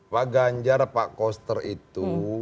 pak ganjar pak koster itu